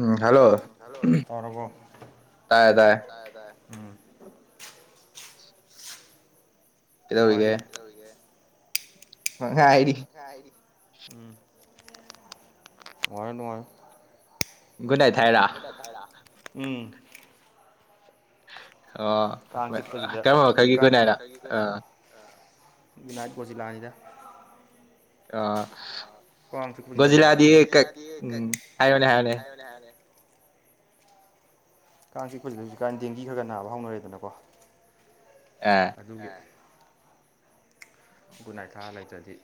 ꯎꯝ hello ꯇꯥꯏꯌꯦ ꯇꯥꯏꯌꯦ ꯎꯨꯝ ꯀꯗꯧꯔꯤꯒꯦ ꯃ ꯉꯥꯏꯔꯤ ꯎꯨꯝ ꯅꯥꯏ ꯅꯨꯡꯉꯥꯏ ꯒꯨꯗ ꯅꯥꯏꯠ ꯍꯥꯏꯔ ꯎꯨꯝ ꯑꯣ ꯀꯔꯝꯕ ꯃꯈꯜꯒꯤ ꯈꯨꯅꯥ ꯍꯥꯏꯅ ꯑ ꯕꯤꯅꯥꯏ ꯀꯣꯖꯤꯂꯥꯅꯤꯗ ꯑꯥ [unintelligible] [inaudible] ꯀꯥꯡ ꯆꯤꯛꯄꯖꯤꯗ ꯍꯧꯖꯤꯛꯀꯥꯟ ꯗꯦꯡꯒꯤ ꯈꯔ ꯈ ꯅꯥꯕ ꯍꯧꯅꯔꯦꯗꯅꯀꯣ ꯑꯗꯨꯒꯤ ꯒꯨꯗꯅꯥꯏꯇ ꯊꯥꯔꯥ ꯂꯩꯇ꯭ꯔꯗꯤ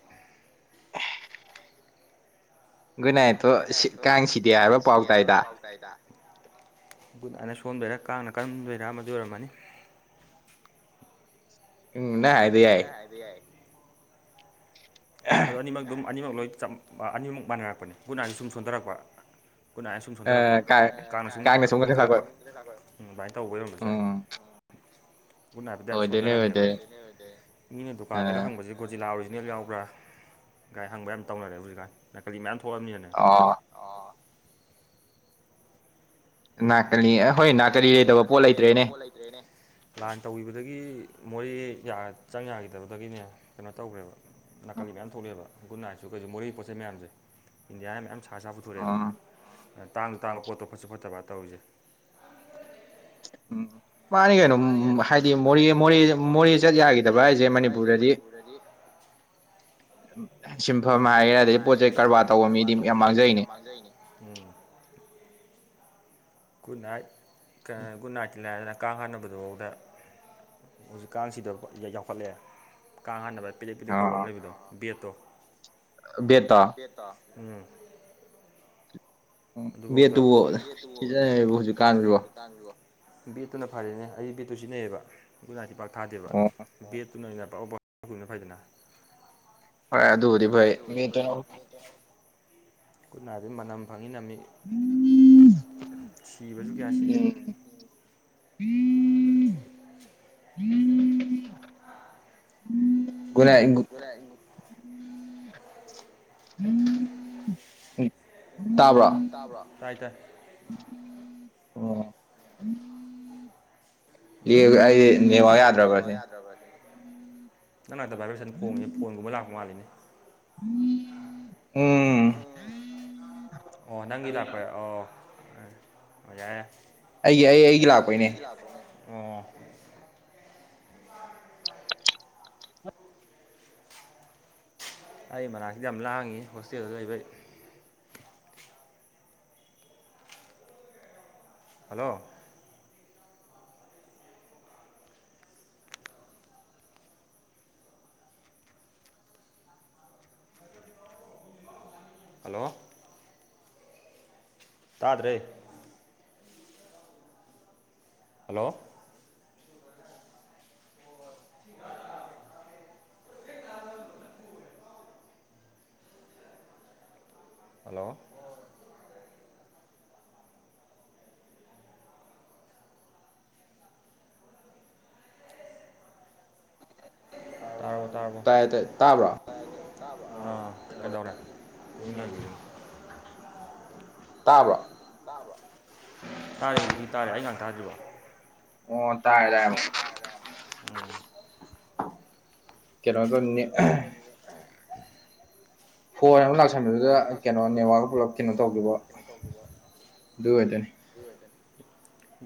ꯒꯨꯗ ꯅꯥꯏꯠꯇꯣ ꯀꯥꯡ ꯁꯤꯗꯦ ꯍꯥꯏꯕ ꯄꯥꯎ ꯇꯥꯏꯗ ꯒꯨꯗꯇ ꯅꯥꯏꯇꯅ ꯁꯣꯝꯗ ꯂꯩꯔꯒ ꯀꯥꯡꯅ ꯀꯟꯗꯣꯏꯔꯥ ꯃꯗꯨ ꯑꯣꯏꯔꯝꯃꯅꯤ ꯅꯪ ꯍꯥꯏꯗꯣ ꯌꯥꯏꯌꯦ ꯑꯗꯨ ꯑꯅꯤꯃꯛ ꯑꯗꯨꯝ ꯑꯅꯤꯃꯛ ꯂꯣꯏ ꯑꯅꯤꯃꯛ ꯃꯥꯟꯅꯔꯛꯄꯅꯤ ꯒꯨꯗ ꯅꯥꯏꯠꯅ ꯁꯨꯝ ꯁꯣꯟꯊꯔꯛꯄ ꯈꯨꯨꯟꯅꯥ ꯍꯥꯏꯅ ꯁꯨꯝ ꯁꯣꯟꯊꯔꯛꯄ ꯀꯥꯡꯅ ꯁꯨꯝ ꯀꯟꯈꯠꯂꯛꯄ ꯎꯝ ꯑꯗꯨꯃꯥꯏꯅ ꯇꯧꯕ ꯑꯣꯏꯔꯝꯕꯁꯨ ꯌꯥꯏ [inaudible] ꯒꯨꯠꯅꯥꯏꯗꯇꯨ ꯌꯥꯝ ꯁꯣꯟꯊꯔꯝꯃꯦꯕ ꯃꯤꯅ ꯗꯨꯀꯥꯟꯗꯒ ꯍꯪꯕꯁꯦ ꯒꯣꯖꯤꯂꯥ ꯑꯣꯔꯤꯖꯤꯅꯦꯜ ꯌꯥꯎꯕ꯭ꯔꯥ ꯒꯥꯏ ꯍꯪꯕ ꯌꯥꯝ ꯇꯧꯅꯔꯦ ꯍꯧꯖꯤꯛꯀꯥꯏ ꯅꯥꯀꯂꯤ ꯃꯌꯥꯝ ꯊꯣꯛꯂꯑꯅꯤꯅꯅꯦ ꯅꯥꯀꯅꯤ ꯑꯦ ꯍꯣꯏ ꯅꯥꯀꯅꯤ ꯂꯩꯗꯕ ꯄꯣꯠ ꯂꯩꯇ꯭ꯔꯦꯅꯦ ꯂꯥꯟ ꯇꯧꯕꯤꯕꯗꯒꯤ ꯑꯩꯒꯤ ꯃꯣꯔꯦ ꯆꯪ ꯌꯥꯈꯤꯗꯕꯗꯒꯤꯅꯦ ꯀꯩꯅꯣ ꯇꯧꯈ꯭ꯔꯦꯕ ꯅꯥꯀꯜꯒꯤ ꯃꯌꯥꯝ ꯊꯣꯛꯂꯛꯑꯦꯕ ꯨꯅꯥ ꯍꯥꯏꯁꯨ ꯀꯩꯁꯨ ꯃꯣꯔꯦ ꯄꯣꯠꯆ ꯆꯩ ꯃꯌꯥꯝꯁꯦ ꯏꯟꯗꯤꯌꯥ ꯃꯌꯥꯝ ꯁꯥ ꯁꯥ ꯄꯨꯊꯣꯔꯛꯑꯦꯕ ꯇꯥꯡꯗ ꯇꯥꯡꯕ ꯄꯣꯠꯇꯣ ꯐꯠꯁꯨ ꯐꯠꯇꯕ ꯇꯧꯔꯤꯁꯦ ꯎꯨꯝ ꯃꯥꯅꯤ ꯀꯩꯅꯣ ꯍꯥꯏꯗꯤ ꯃꯣꯔꯦ ꯃꯣꯔꯦ ꯃꯣꯔꯦ ꯆꯠ ꯌꯥꯈꯤꯗꯕ ꯍꯥꯏꯁꯦ ꯃꯅꯤꯄꯨꯔꯗꯗꯤ [inaudible] [inaudible] [inaudible] ꯒꯨꯇ ꯅꯥꯏꯇꯀ ꯒꯨꯗ ꯅꯥꯏꯇ ꯇꯤ ꯂꯥꯏꯔꯗꯅ ꯀꯥꯡ ꯍꯥꯟꯅꯕꯗꯨꯐꯥꯎꯗ ꯍꯧꯖꯤꯛ ꯀꯥꯡꯁꯤꯗꯣ ꯌꯎꯈꯠꯂꯛꯑꯦ ꯀꯥꯡ ꯍꯥꯠꯅꯕ ꯀꯥꯡ ꯄꯤꯂꯤꯛ ꯄꯤꯂꯤꯛ ꯇꯧꯕ ꯑꯃ ꯂꯩꯗꯣ ꯕꯦꯠꯇꯣ ꯕꯦꯠꯇꯣ ꯎꯨꯝ ꯎꯨꯝ ꯕꯦꯠꯇꯨꯕꯨ ꯁꯤꯖꯤꯟꯅꯩꯕ ꯍꯧꯖꯤꯛꯀꯥꯟꯁꯤꯕꯣ ꯕꯦꯠꯇꯨꯅ ꯐꯔꯦꯅꯦ ꯑꯩ ꯕꯦꯠꯇꯨ ꯁꯤꯖꯤꯟꯅꯩꯌꯦꯕ ꯒꯨꯅꯥꯇꯤ ꯄꯥꯛ ꯊꯥꯗꯦꯕ ꯕꯦꯠ ꯑꯗꯨꯅ ꯐꯩꯗꯅ [unintelligible] ꯍꯣꯏ ꯑꯗꯨ ꯑꯣꯏꯔꯗꯤ ꯐꯩꯏ ꯃꯤ ꯎ ꯃꯅꯝ ꯐ ꯆꯪꯉꯤꯅꯃꯤ ꯁꯤꯕꯁꯨ ꯀꯌꯥ ꯁꯤꯗꯦ ꯎꯝ ꯄꯨꯔ ꯇꯥꯕ꯭ꯔ ꯇꯥꯏ ꯇꯥꯏ ꯑꯩ ꯅꯦꯝꯍꯧ ꯌꯥꯗ꯭ꯔꯕꯁꯦ ꯅꯪ ꯅꯛꯇ ꯚꯕ꯭ꯔꯦꯁꯟ ꯈꯣꯡꯉꯤ ꯐꯣꯟꯒꯨꯝꯕ ꯂꯥꯛ ꯃꯥꯜꯂꯤꯅꯤ ꯎꯝ ꯎ ꯑꯣ ꯅꯪꯒꯤ ꯂꯥꯛꯄ ꯑꯣ ꯑꯣ ꯌꯥꯔꯦ ꯑꯩꯒꯤ ꯑꯩ ꯑꯩꯒꯤ ꯂꯥꯛꯄꯩꯅꯦ ꯑꯣ ꯑꯩ ꯃꯅꯥꯛꯁꯤ ꯌꯥꯝ ꯂꯥꯡꯉꯤ ꯍꯣꯁꯇꯦꯜꯗ ꯂꯩꯕꯩ ꯍꯜꯂꯣ ꯍꯜꯂꯣ ꯇꯥꯗ꯭ꯔꯦ ꯍꯜꯂꯣ [unintelligible] ꯍꯂꯣ ꯇꯥꯏ ꯇꯥꯕ꯭ꯔꯥ ꯑꯥ ꯀꯩꯗꯧꯔꯦ ꯀꯃꯤꯗꯥꯏꯒꯤꯗꯅꯣ ꯇꯥꯕ꯭ꯔ ꯇꯥꯔꯦ ꯍꯧꯖꯤꯛꯄꯗꯤ ꯇꯥꯔꯦ ꯑꯩ ꯉꯥꯛ ꯇꯥꯗ꯭ꯔꯤꯕꯣ ꯑꯣ ꯇꯥꯌꯦꯦ ꯇꯌꯦꯃ ꯀꯔꯣꯒꯅꯤ ꯐ ꯂꯥꯛꯁꯟꯕꯗꯨꯗ ꯀꯩꯅꯣ ꯅꯦꯠꯋꯥꯛ ꯄꯨꯂꯞ ꯀꯩꯅꯣ ꯇꯧꯈꯤꯕ ꯑꯗꯨ ꯑꯣꯏꯗꯣꯏꯅꯤ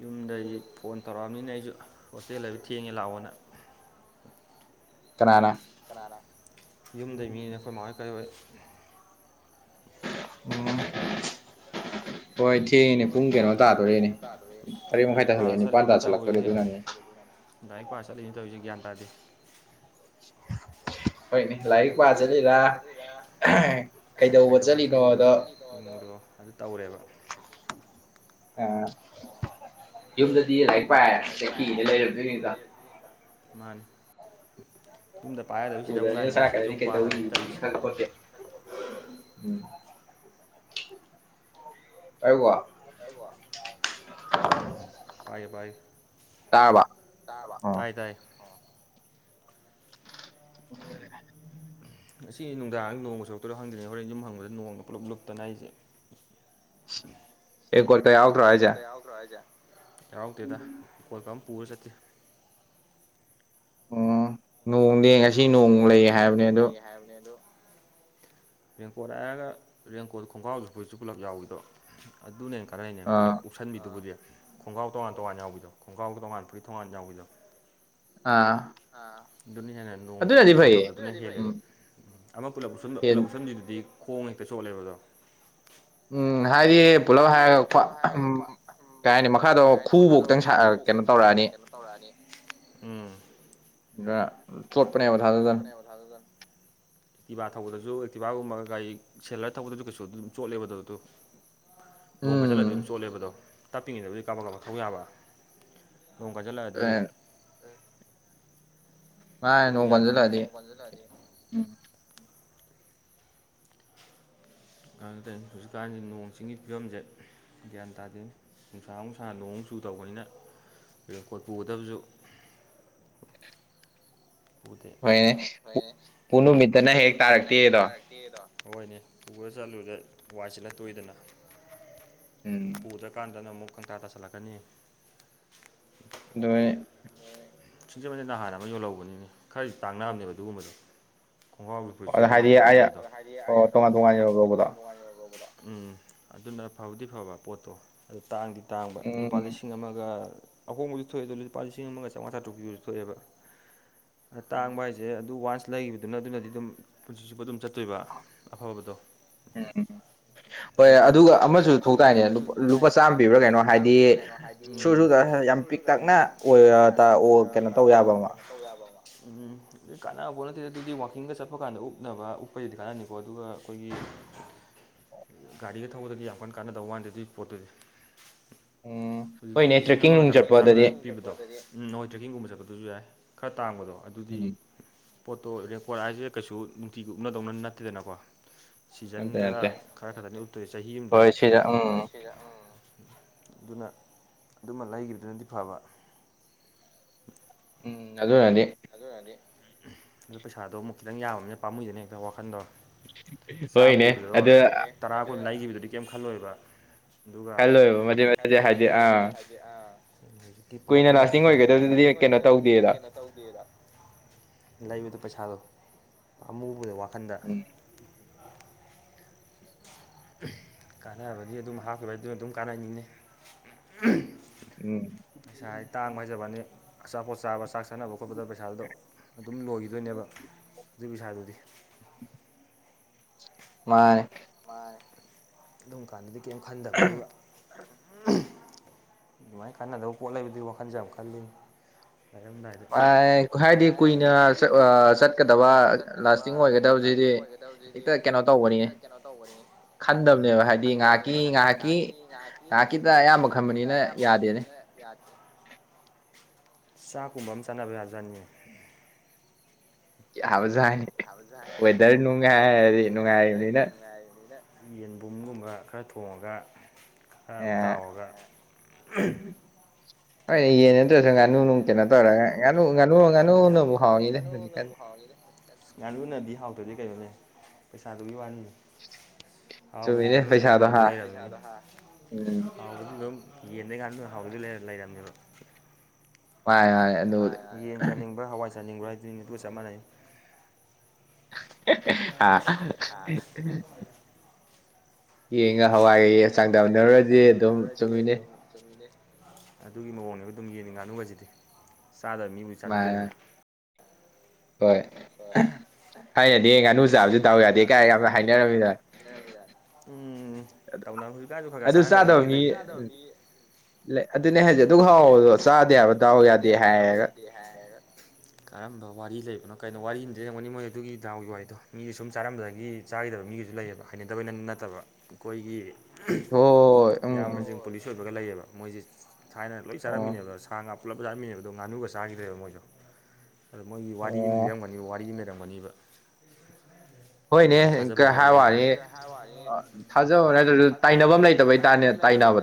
ꯌꯨꯝꯗꯒꯤꯗꯤ ꯐꯣꯟ ꯇꯧꯔꯛꯑꯕꯅꯤꯅ ꯑꯩꯁꯨ ꯍꯣꯁꯇꯦꯜ ꯍꯥꯏꯕ ꯊꯦꯡꯉꯦ ꯂꯥꯛꯑꯣꯅ ꯀꯅꯥꯅ ꯌꯨꯝꯗꯩ ꯃꯤꯅ ꯑꯩꯈꯣꯏ ꯃꯣꯏ ꯀꯩ ꯑꯣ ꯍꯣꯏꯗꯤ ꯍ ꯂꯥꯏꯔꯤꯛ ꯄꯥꯁꯜꯂꯤꯅ ꯇꯧꯔꯤꯁꯦ ꯂꯥꯏꯔꯤꯛ ꯄꯥ ꯆꯠꯂꯤꯅ ꯇꯧꯔꯤꯁꯦ ꯒ꯭ꯌꯥꯟ ꯇꯥꯗꯦ ꯍꯣꯏꯅꯦ ꯂꯥꯏꯔꯤꯛ ꯄꯥꯁꯤꯂꯤꯔ ꯀꯩꯗꯧꯕ ꯆꯠꯂꯤꯅꯣꯗꯣ ꯑꯗꯨ ꯇꯧꯔꯦꯕ ꯑ ꯌꯨꯝꯗꯗꯤ ꯂꯥꯏꯔꯤꯛ ꯄꯥꯏ ꯀꯤꯅꯦ ꯂꯩꯔꯝꯗꯣꯏꯅꯤꯗ ꯃꯥꯥꯟ ꯎ ꯁꯥꯀꯔꯠꯇ ꯍꯥꯏ ꯋꯥ ꯎꯝ ꯄꯥꯏ ꯄꯥꯏ ꯇꯥꯏ ꯇꯥꯏ [unintelligible] ꯑꯁꯤ ꯅꯨꯡꯗꯥꯡ ꯅꯣꯡꯃ ꯁꯣꯔꯨꯇꯔ ꯍꯪꯗ꯭ꯔꯤꯉꯩ ꯍꯣꯔꯦꯟ ꯌꯨꯝ ꯍꯪꯕꯗ ꯅꯣꯡꯗ ꯄꯨꯂꯞ ꯂꯨꯞꯇꯅ ꯑꯩꯁꯦ ꯑꯦ ꯋꯥꯔ ꯀꯩ ꯑꯀ꯭ꯔ ꯍꯥꯏꯖꯦ ꯌꯥꯔꯥꯎꯇꯦꯗ ꯀꯣꯏꯄ ꯑꯃ ꯄꯨꯔ ꯆꯠꯇꯦ ꯎ ꯅꯣꯡꯗꯤ ꯉꯁꯤ ꯅꯣꯡ ꯂꯩ ꯍꯥꯏꯕꯅꯦ ꯑꯗ [unintelligible] ꯔꯦꯟꯀꯣꯠ ꯍꯥꯏꯔꯒ ꯔꯦꯟꯀꯣꯠ ꯈꯣꯡꯒ꯭ꯔꯥꯎꯁꯨ ꯐꯣꯏꯠꯁꯨ ꯄꯨꯂꯞ ꯌꯥꯎꯏꯗꯣ ꯑꯗꯨꯅꯦ ꯀꯔꯥꯏꯅꯦ ꯄꯨꯂꯞ ꯎꯞꯁꯟꯕꯤꯗꯨꯕꯨꯁꯦ ꯈꯣꯡꯒ꯭ꯔꯥꯎ ꯇꯣꯉꯥꯟ ꯇꯣꯉꯥꯟ ꯌꯥꯎꯕꯤꯗꯣ ꯈꯣꯡꯒ꯭ꯔꯥꯎꯒꯤ ꯇꯣꯉꯥꯟ ꯄꯨ꯭ꯔꯤ ꯇꯣꯉꯥꯟ ꯌꯥꯎꯕꯤꯗꯣ ꯑ ꯑꯗꯨꯅ ꯍꯦꯟꯅ ꯅꯣꯡ ꯆꯣꯠꯇꯕꯗ ꯑꯗꯨ ꯍꯂꯦꯕ ꯎꯝ ꯑꯃ ꯄꯨꯂ ꯄꯨꯂꯞ ꯎꯁꯟꯕꯤꯗꯨꯗꯤ ꯈꯣꯡ ꯍꯦꯛꯇ ꯆꯣꯜꯂꯦꯕꯗꯣ ꯎꯝ ꯉꯁꯥꯏꯗꯤ ꯄꯨꯂꯞ ꯍꯥꯏꯔꯒ ꯀꯩ ꯍꯥꯏꯅꯤ ꯃꯈꯥꯗꯣ ꯈꯨꯕꯧꯛꯇꯪ ꯀꯩꯅꯣ ꯇꯧꯔꯛꯑꯅꯤ꯫ ꯀꯩꯅꯣ ꯇꯧꯔꯛꯑꯒ ꯎꯝ꯫ ꯗ ꯁꯠ ꯐ ꯊꯖꯤꯕꯥ ꯊꯧꯕꯗꯁꯨ ꯇꯤꯚꯥꯒꯨꯝꯕꯒ ꯒꯥꯔꯤ ꯁꯦꯂꯔ ꯊꯧꯕꯗꯁꯨ ꯀꯩꯁꯨ ꯑꯗꯨꯝ ꯆꯣꯠꯂꯦꯕꯗ ꯑꯗꯨ ꯅꯣꯡ ꯈꯥꯖꯤꯜꯂꯗꯤ ꯑꯗꯨꯝ ꯆꯣꯠꯂꯦꯕꯗꯣ ꯇꯥꯛꯄꯤꯉꯤꯗꯕꯨꯗꯤ ꯀꯕ ꯀꯥꯕ ꯊꯧ ꯌꯥꯕ꯭ꯔꯥ ꯅꯣꯡ ꯀꯁꯤꯜꯂꯛꯑꯗꯤ ꯆꯣꯂꯤ ꯌꯥꯗꯅ ꯀ ꯂꯗ ꯑꯗꯨꯗꯩꯅ ꯍꯧꯖꯤꯛꯀꯥꯟꯁꯤ ꯅꯣꯡ ꯆꯤꯡꯒꯤ ꯐꯤꯕꯝꯁꯦ ꯒ꯭ꯌꯥꯟ ꯇꯥꯗꯦ ꯅꯨꯡꯁꯥ ꯅꯨꯡꯁꯥ ꯅꯣꯡ ꯇꯨ ꯇꯧꯕꯅꯤꯅ ꯔꯦꯀꯣꯔꯠ ꯄꯨꯒꯗꯕꯁꯨ ꯍꯣꯏ ꯄꯨ ꯅꯨꯃꯤꯠꯇꯅ ꯍ ꯍꯦꯛ ꯇꯥꯔꯛꯇꯗꯣ ꯍꯣꯏꯅꯦ ꯄꯨꯔ ꯆꯠꯂꯨꯗ ꯋꯥꯏꯠꯁꯤꯜꯂ ꯇꯣꯏꯗꯅ ꯄꯨꯔꯗ ꯀꯥꯟꯗ ꯅ ꯑꯃꯨꯛ ꯈꯟꯇꯥ ꯇꯁꯂꯛꯀꯅꯤ ꯑꯗꯨꯣꯏ ꯁꯤꯤꯟꯖ ꯃꯅꯤꯗꯍꯥꯟꯅ ꯑꯃ ꯌꯣꯜꯍꯧꯕꯅꯤꯅꯤ ꯈꯔꯗꯤ ꯇꯥꯡꯅꯔꯝꯅꯦꯕ ꯑꯗꯨꯒꯨꯝꯕꯗꯣ ꯈꯣꯡꯒ꯭ꯔꯥꯎꯒꯤ ꯐꯨꯠꯁꯨ ꯇꯣꯉꯥꯟ ꯇꯣꯉꯥꯟ ꯑꯣꯏꯕꯗ ꯍꯥꯏꯗꯤ ꯇꯣꯉꯥꯟ ꯇꯣꯉꯥꯟ ꯑꯣꯏ ꯎꯝ ꯑꯗꯨꯅ ꯐꯥꯎꯗꯤ ꯐꯕ ꯄꯣꯠꯇꯣ ꯑꯗꯨ ꯇꯥꯡꯗꯤ ꯇꯥꯡꯕ ꯂꯨꯄꯥ ꯂꯤꯁꯤꯡ ꯑꯃꯒ ꯑꯍꯣꯡꯕꯁꯨ ꯊꯣꯛꯑꯦ ꯑꯗꯨ ꯂꯨꯄꯥ ꯂꯤꯁꯤꯡ ꯑꯃꯒ ꯆꯥꯝꯃꯉꯥ ꯇꯥꯔꯨꯛꯀꯤꯁꯨ ꯊꯣꯛꯑꯦꯕ ꯑ ꯇꯥꯡꯕ ꯍꯥꯏꯁꯦ ꯑꯗꯨ ꯋꯥꯟꯁ ꯂꯩꯈꯤꯕꯗꯨꯅ ꯑꯗꯨꯅꯗꯤ ꯑꯗꯨꯝ ꯄꯨꯟꯁꯤꯕꯨ ꯑꯗꯨꯝ ꯆꯠ ꯑꯠꯇꯣꯏꯕ ꯑꯐꯕꯗꯣ ꯍꯣꯏ ꯑꯗꯨꯒ ꯑꯃꯁꯨ ꯊꯣꯛꯇꯅꯦ ꯂꯨꯄꯥ ꯆꯥꯝꯃ ꯄꯤꯕ꯭ꯔꯥ ꯀꯩꯅꯣ ꯍꯥꯏꯗꯤ ꯁꯨꯔ ꯁꯗ ꯌꯥꯝ ꯄꯤꯛꯛꯇꯛꯅ ꯁꯤꯤꯛ ꯊꯛꯅ ꯀꯩꯅꯣ ꯇꯧ ꯌꯥꯕ ꯎꯝ ꯀꯥꯟꯅꯕꯐꯥꯎ ꯅꯠꯇꯦꯗ ꯑꯗꯨꯗꯤ ꯋꯥꯋꯥꯛꯀꯤꯡꯒ ꯆꯠꯄ ꯀꯥꯟꯗ ꯎꯛꯅꯕ ꯎꯞꯄꯁꯤꯗꯤ ꯀꯥꯟꯅꯅꯤꯀꯣ ꯑꯗꯨꯒ ꯑꯩꯈꯣꯏꯒꯤ ꯒꯥꯔꯤꯒ ꯊꯧꯕꯗꯒꯤ ꯌꯥꯝ ꯀꯟꯅ ꯀꯥꯟꯅꯗꯕ ꯋꯥꯥꯟꯗꯦ ꯑꯗꯨꯒꯤ ꯄꯣꯠꯇꯨꯗꯤ ꯎꯝ ꯍꯣꯏꯅꯦ ꯇ꯭ꯔꯦꯛꯀꯤꯡ ꯅꯨꯡ ꯆꯠꯄ ꯑꯗꯨꯗꯤ ꯎꯝ ꯅꯣꯏ ꯇ꯭ꯔꯦꯛꯀꯤꯡꯒꯨꯝꯕ ꯆꯠꯄꯗꯨꯁꯨ ꯌꯥꯏ ꯈꯔ ꯇꯥꯡꯕꯗꯣ ꯑꯗꯨꯗꯤ ꯄꯣꯠꯇꯣ ꯔꯦꯀꯣꯔꯠ ꯍꯥꯏꯁꯦ ꯀꯩꯁꯨ ꯅꯨꯡꯇꯤꯒꯤ ꯎꯨꯞꯅꯗꯧꯅ ꯅꯠꯇꯦꯗꯅꯀꯣ ꯁꯤꯖꯟꯗ ꯈꯔ ꯈꯛꯇꯅꯤ ꯎꯞꯇꯣꯏ ꯆꯍꯤ ꯑꯃꯗ ꯍꯣꯏ ꯁꯤꯗ ꯎꯝ ꯑꯗꯨꯅ ꯑꯗꯨꯃ ꯂꯩꯒꯤꯗꯨꯅꯗꯤ ꯐꯕ ꯖꯨ ꯔꯗꯤ ꯑꯗꯨ ꯑꯣꯏꯔꯗꯤ ꯑꯗꯨ ꯄꯩꯁꯥꯗꯣ ꯑꯃꯨꯛ ꯈꯤꯇꯪ ꯌꯥꯝꯕꯅꯤꯅꯦ ꯄꯥꯝꯃꯨꯗꯅꯦ ꯍꯦꯛꯇ ꯋꯥꯈꯜꯗꯣ ꯆꯥꯝꯃ ꯄꯤꯕꯗꯣ ꯇꯔꯥ ꯀꯨꯟ ꯂꯩꯈꯤꯕꯗꯨꯗꯤ ꯀꯔꯤꯝ ꯈꯜꯂꯣꯏꯕ ꯑꯗꯨꯒ ꯈ ꯂꯣꯏ ꯃ ꯃ ꯍꯥꯏꯗꯤ ꯑꯥ ꯍꯧꯖꯤꯤ ꯄꯨꯂꯞ ꯑꯃ ꯊꯣꯛꯄꯤ ꯀꯨꯏꯅ ꯅꯥꯇꯤꯡ ꯑꯣꯏꯒꯗꯕꯗꯨꯗꯤ ꯀꯩꯅꯣ ꯇꯧꯗꯦꯗ ꯂꯩꯕꯗꯣ ꯄꯩꯁꯥꯗꯣ ꯑꯃꯨꯕꯗꯣ ꯋꯥꯈꯜꯗ ꯀꯥꯟꯅꯔꯕꯗꯤ ꯑꯗꯨꯝ ꯍꯥꯞꯈꯤꯕ ꯑꯗꯨꯅ ꯑꯗꯨꯝ ꯀꯥꯅꯩꯅꯤꯅꯤ ꯎꯝ ꯄꯩꯁꯥ ꯇꯥꯡꯕ ꯍꯩꯖꯕꯅꯤ ꯑꯆꯥꯄꯣꯠ ꯆꯥꯕ ꯆꯥꯛ ꯁꯥꯅꯕ ꯈꯣꯠꯄꯗ ꯄꯩꯁꯥꯗꯣ ꯑꯗꯨꯝ ꯂꯣꯏꯈꯤꯗꯣꯏꯅꯦꯕ ꯑꯗꯨꯒꯤ ꯏꯁꯥꯏꯗꯨꯗꯤ ꯃꯥꯅꯦ ꯃꯥ ꯑꯗꯨꯝ ꯀꯥꯟꯗꯗꯤ ꯀꯔꯤꯝ ꯈꯟꯗꯕ ꯑꯗꯨꯒ ꯑꯗꯨꯃꯥꯏꯅ ꯀꯥꯟꯅꯗꯕ ꯄꯣꯠ ꯂꯩꯕꯗꯨ ꯋꯥꯈꯜꯁꯦ ꯌꯥꯝ ꯈꯜꯂꯤ ꯍꯥꯏꯗꯤ ꯀꯨꯏꯅ ꯆꯠꯀꯗꯕ ꯂꯥꯁꯇꯤꯡ ꯑꯣꯏꯒꯗꯕꯁꯤꯗꯤ ꯍꯦꯛꯇ ꯀꯩꯅꯣ ꯇꯧꯕꯅꯤꯅꯦ ꯀꯩꯅ ꯇ ꯑꯣꯏꯔꯦ ꯈꯟꯗꯕꯅꯦꯕ ꯍꯥꯏꯗꯤ ꯉꯥꯏꯍꯥꯛꯀꯤ ꯉꯥꯏꯍꯥꯛꯀꯤ ꯉꯥꯏꯍꯥꯛꯀꯤꯇ ꯑꯌꯥꯝꯕ ꯊꯝꯕꯅꯤꯅ ꯌꯥ ꯁꯥꯀꯨꯕꯝ ꯆꯥꯅꯥꯕꯤꯕꯥꯖꯅꯤ ꯕ ꯑꯖꯗꯔꯅꯨꯡꯉꯅꯨꯡꯉꯥꯏꯅꯤꯅ ꯌꯦꯟꯕꯨꯝꯒꯨꯝꯕ ꯈꯔ ꯊꯣꯡꯉꯒ ꯈꯔ ꯇꯥꯎꯔꯒ ꯍꯣꯏ ꯌꯦꯟꯅꯦ ꯇ ꯑꯣꯏꯔꯁꯨ ꯉꯥꯅꯨ ꯅꯨꯡ ꯀꯩꯅꯣ ꯇꯧꯔꯒ ꯉꯥꯅꯨ ꯉꯥꯅꯨ ꯉꯥꯅꯨꯅꯕꯨ ꯍꯥꯎꯏꯤꯅꯦ ꯍꯧꯖꯤꯛꯀꯥꯟ ꯉꯥ ꯂꯨꯅꯗꯤ ꯍꯥꯎꯗꯗꯤꯦ ꯀꯩꯅꯣꯅꯦ ꯄꯩꯁꯥꯗꯨꯒꯤ ꯋꯥꯅꯤ ꯍꯥꯎꯕꯗꯤ ꯉꯅꯨ ꯑꯗꯨꯝ ꯍꯥꯎꯗꯣꯏ ꯂꯩꯔꯅꯤ ꯍꯥꯎꯕ ꯑꯗꯨꯝ ꯟ ꯀꯥꯟ ꯍꯧꯗꯨꯂꯔ ꯂꯩꯝꯣ ꯍ ꯆꯥꯅꯤꯡꯕ꯭ꯔꯥ ꯍꯥꯏꯗꯨꯅꯤ ꯑꯗꯨꯒ ꯆꯞ ꯃꯥꯟꯅꯩ ꯑꯥ ꯌꯦꯡꯉ ꯍꯋꯥꯏꯒꯛꯆꯥꯡ ꯇꯎꯅꯔꯨꯔꯗꯤ ꯑꯗꯨꯝ ꯆꯨꯝꯃꯤꯅꯤ ꯑꯗꯨꯒꯤ ꯃꯑꯣꯡꯅꯦꯕ ꯑꯗꯨꯝ ꯌꯦꯡꯅꯤꯡ ꯉꯥꯅꯨ ꯉꯁꯤꯗꯤ ꯆꯥꯗꯕ ꯃꯤꯕꯨꯗꯤ ꯆꯥꯖꯗ꯭ꯔꯦꯗꯅ ꯍꯣꯏ ꯑ ꯌꯥꯅꯨ ꯆ ꯊꯥꯎ ꯌꯥꯗ ꯀ ꯌꯥ ꯎꯝ ꯇꯧꯅꯕ ꯍꯧꯖꯤꯛꯀꯥꯟꯁꯨ ꯈꯔ ꯈꯔ ꯆꯥꯟꯅꯗꯕ ꯃꯤꯒ ꯂꯩꯕ ꯂꯩ ꯑꯗꯨꯅꯦ ꯍꯧꯖꯤꯛ ꯑꯗꯨ ꯍꯥꯎꯕꯗꯣ ꯆꯥꯗꯦ ꯍꯥꯏꯕ ꯗꯥꯎ ꯌꯥꯗꯦ ꯍꯥꯏꯔꯒ ꯀꯔꯝꯕ ꯋꯥꯔꯤ ꯂꯩꯕꯅꯣ ꯀꯩꯅꯣ ꯋꯥꯔꯤ ꯏꯟꯗꯤꯔꯝꯒꯅꯤ ꯃꯣꯏ ꯑꯗꯨꯒꯤ ꯗꯥꯎꯒꯤ ꯋꯥꯔꯤꯗꯣ ꯃꯤꯁꯦ ꯁꯨꯝ ꯆꯥꯔꯝꯕꯗꯒꯤ ꯆꯥꯈꯤꯗꯕ ꯃꯤꯒꯤꯁꯨ ꯂꯩꯌꯦꯕ ꯍꯥꯏꯅꯗꯕꯩꯅ ꯅꯠꯇꯕ ꯑꯩꯈꯣꯏꯒꯤ ꯏꯌꯥꯝꯕꯁꯤꯡ ꯄꯨꯂꯤꯁ ꯑꯣꯏꯕꯒ ꯂꯩꯌꯦꯕ ꯃꯣꯏꯁꯦ ꯊꯥꯏꯅ ꯂꯣꯏ ꯆꯥꯔꯝꯃꯤꯅꯦꯕ ꯁꯥ ꯉꯥ ꯄꯨꯂꯞ ꯆꯥꯔꯝꯃꯤꯅꯦꯕ ꯑꯗꯣ ꯉꯥꯅꯨꯒ ꯆꯥꯈꯤꯗ꯭ꯔꯦꯕ ꯃꯣꯏꯗꯣ ꯑꯗ ꯃꯣꯏꯒꯤ ꯋꯥꯔꯤ ꯑꯃ ꯂꯤꯔꯝꯒꯅꯤꯕ ꯋꯥꯔꯤ ꯑꯃ ꯂꯩꯔꯝꯒꯅꯦꯕ ꯌꯥꯝ ꯊꯥꯖꯕ ꯋꯥꯔꯤ ꯍꯥꯏꯇꯥꯔꯦ ꯊꯥꯖꯕ ꯇꯥꯏꯅꯕ ꯑꯃ ꯂꯩꯕ ꯎ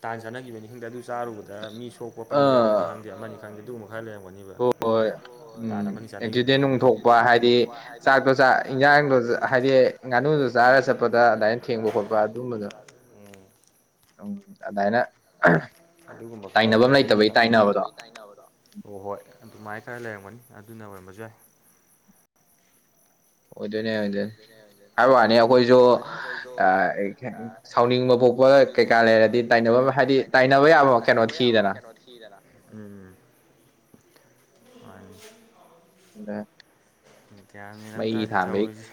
ꯇꯥꯟ ꯆꯠꯅꯈꯤꯕꯅꯤ ꯈꯪꯗꯦ ꯑꯗꯨ ꯆꯥꯔꯨꯕꯗ ꯃꯤ ꯁꯣꯛꯄ ꯄꯟꯕ ꯌꯥꯎꯕꯅꯤ ꯈꯪꯗꯦ ꯀ ꯈꯪꯗꯦ ꯑꯗꯨꯒ ꯃꯈꯥꯏ ꯂꯩꯔꯝꯒꯅꯤꯕ ꯎꯝ ꯑꯦꯛꯁꯤꯗꯦꯟ ꯅꯨꯡꯊꯣꯛꯄ ꯍꯥꯏꯗꯤ ꯆꯥꯛꯇꯣ ꯆꯥꯛ ꯌꯦꯟꯖꯥꯡꯗꯣ ꯍꯥꯏꯗꯤ ꯊꯦ ꯀꯖꯥ ꯁꯠꯇ꯭ꯔꯗ ꯎ ꯎꯝ ꯑ ꯍꯥꯏꯅ ꯑꯗꯨꯒꯨꯝꯕ ꯈꯔ ꯂꯩꯕꯩꯅꯤ ꯈ ꯍꯣꯏ ꯍꯣꯏ ꯑꯗꯨꯃꯥꯏꯅ ꯈꯔ ꯂꯩꯔꯝꯒꯅꯤ ꯑꯗꯨꯅ ꯑꯣꯏꯔꯝꯕꯁꯨ ꯌꯥꯏ ꯑꯣ ꯑꯗꯨꯅꯦꯗ ꯍꯥꯏꯕ ꯋꯥꯅꯤ ꯑꯩꯈꯣꯏꯁꯨ ꯁꯥꯎꯅꯤꯡꯕ ꯐꯣꯛꯄ ꯀꯩꯀꯥ ꯂꯩꯔꯗꯤ ꯇ ꯂꯩꯔꯗꯤ ꯅꯩꯅꯥꯏꯅꯕ ꯍꯥꯏꯗꯤ ꯅꯩꯅꯥꯏꯅꯕ ꯌꯥꯕꯣ ꯀꯩꯅꯣ ꯊꯤꯗꯅ ꯎꯝ ꯑ ꯗ ꯒ꯭ꯌꯥꯟꯅꯤꯔꯝ ꯇꯥꯔꯦ ꯇꯧꯔꯤꯁꯦ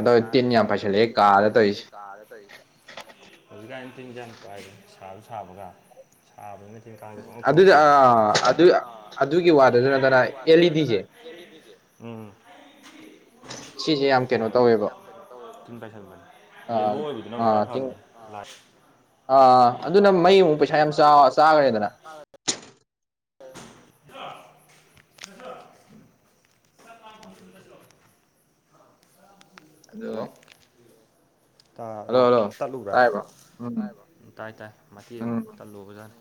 ꯅꯨꯡꯗꯥꯡ ꯀꯩꯅꯣ ꯇꯧꯋ ꯆꯤꯟ ꯌꯥꯝ ꯐꯩꯁꯜꯂꯦꯛ ꯇꯥꯔ ꯇꯧꯔꯤ ꯍꯧꯖꯤꯛ ꯆꯤꯟ ꯏꯟꯁꯥꯡ ꯄꯥꯏꯔ ꯁꯥꯁꯨ ꯁꯥꯕꯒ ꯁꯥꯕꯅ ꯊꯣꯛꯂꯛꯄꯅꯤ ꯑꯗꯨꯒꯤ ꯋꯥ ꯎꯝ ꯁꯤ ꯌꯥꯝꯝ ꯀꯅꯣ ꯇꯤꯟ ꯇꯥꯏꯁꯟꯕꯅꯦ ꯌꯦꯂꯣ ꯑꯣꯏꯕꯗꯨꯅ ꯑꯃꯨꯛ ꯈꯔ ꯐꯕꯅꯤ ꯂꯥꯏ ꯑꯥ ꯑꯗꯨꯅ ꯃꯩ ꯑꯃꯨꯛ ꯄꯩꯁꯥ ꯌꯥꯝ ꯆꯥꯈ꯭ꯔꯅꯤꯗꯅ ꯑ [unintelligible] ꯑꯗꯨꯗ ꯑ ꯑꯣ ꯇꯂꯨꯒ ꯇꯥꯏ ꯇꯥꯏ ꯃꯇꯦꯛ ꯑꯃꯇꯂꯨꯕꯖꯥꯠꯅꯤ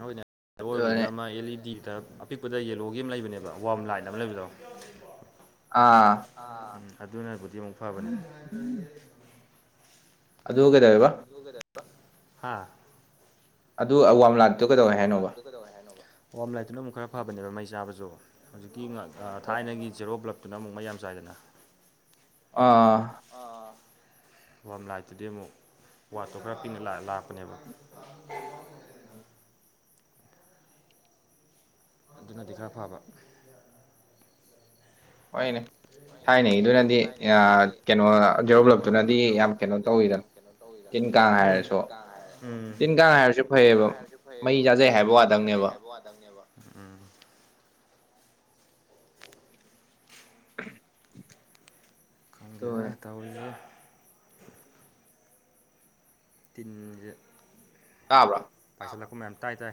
ꯍꯣꯏ ꯑꯣꯏꯅ ꯑꯣꯏꯕꯗꯨꯗ ꯑꯃ ꯑꯦꯜ ꯏ ꯗꯤ ꯗ ꯑꯄꯤꯛꯄꯗ ꯌꯦꯂꯣꯒꯤ ꯑꯃ ꯂꯩꯕꯅꯦꯕ ꯋꯥꯔꯝ ꯂꯥꯏꯟ ꯑꯃ ꯂꯩꯕꯗꯣ ꯑꯥ ꯑꯗꯨꯅꯕꯨꯗꯤ ꯑꯃꯨꯛ ꯐꯕꯅꯤ ꯑꯗꯨꯗ ꯍꯒꯦꯗꯕꯦꯕ ꯍꯥꯥ ꯑꯗꯨ ꯑꯋꯥꯝꯂꯥꯟ ꯑꯗꯨ ꯑꯋꯥꯝ ꯂꯥꯗ ꯀꯩꯗꯧꯔ ꯍꯥꯏꯅ ꯑꯋꯥꯡꯝ ꯂꯥꯏꯠꯇꯨꯅ ꯑꯃꯨꯛ ꯈꯔ ꯐꯕꯅꯦꯕ ꯃꯩ ꯆꯥꯕꯁꯨ ꯍꯧꯖꯤꯛ ꯊꯥꯏꯅꯒꯤ ꯖꯦꯔꯣ ꯕ꯭ꯂꯞꯇꯨꯅ ꯑꯃꯨꯛ ꯃꯌꯥꯝ ꯆꯥꯏꯗꯅ ꯑꯥ ꯋꯥ ꯂꯥꯏꯛꯇꯗꯤ ꯑꯃꯨꯛ ꯋꯥꯇꯣ ꯈꯔ ꯄꯤꯅ ꯂꯥꯛꯄꯅꯦꯕ ꯎꯝ ꯑꯗꯨꯅꯗꯤ ꯈꯔ ꯐꯕ ꯍꯅꯦ ꯊꯥꯏꯅꯩꯗꯨꯅꯗꯤ ꯀꯩꯅꯣ ꯦꯔꯣꯂꯞꯇꯨꯅꯗꯤ ꯌꯥꯝ ꯀꯩꯅꯣ ꯇꯧꯋꯤꯗꯅ ꯇꯤꯟ ꯀꯥꯡ ꯍꯥꯏꯔꯁꯨ ꯇꯤꯟ ꯀꯥꯡ ꯍꯥꯏꯔꯁꯨ ꯐꯩꯌꯦꯕ ꯃꯩ ꯆꯥꯖꯩ ꯍꯥꯏꯕ ꯋꯥꯗꯪꯅꯦꯕ ꯅꯦꯕ ꯎꯝ ꯈꯪꯗꯦꯒ ꯇꯧꯔꯤꯒ ꯇꯤꯟꯖ ꯇꯕ꯭ꯔꯥ ꯍꯂ ꯃꯌꯥꯝ ꯇꯥꯏ ꯇꯥꯏ